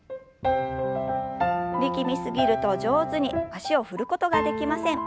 力み過ぎると上手に脚を振ることができません。